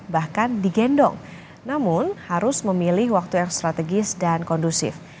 bahkan digendong namun harus memilih waktu yang strategis dan kondusif